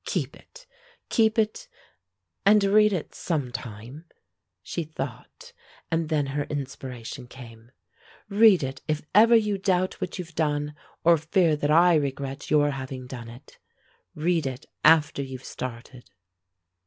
Keep it keep it and read it sometime " She thought, and then her inspiration came: "Read it if ever you doubt what you've done, or fear that I regret your having done it. Read it after you've started."